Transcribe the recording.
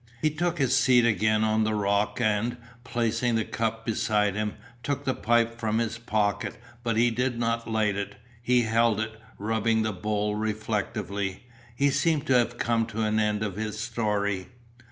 He took his seat again on the rock and, placing the cup beside him, took the pipe from his pocket, but he did not light it. He held it, rubbing the bowl reflectively. He seemed to have come to an end of his story.